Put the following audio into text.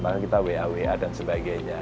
makanya kita wa wa dan sebagainya